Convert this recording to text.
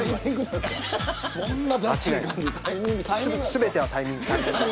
全てはタイミングです。